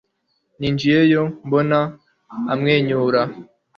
ninjiyeyo mbona amwenyura